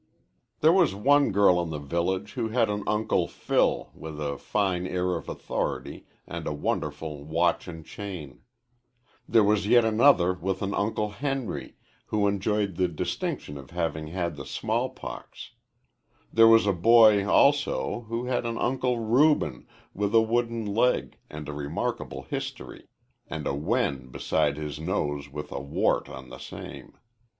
There was one girl in the village who had an Uncle Phil with a fine air of authority and a wonderful watch and chain; there was yet another with an Uncle Henry, who enjoyed the distinction of having had the small pox; there was a boy, also, who had an Uncle Reuben with a wooden leg and a remarkable history, and a wen beside his nose with a wart on the same.